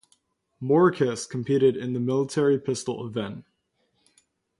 Morakis competed in the military pistol event.